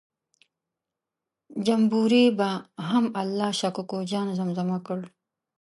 جمبوري به هم الله شا کوکو جان زمزمه کړ.